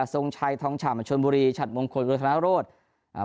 ทรงชัยทองฉ่ำชนบุรีฉัดมงคลโรธนโรธอ่า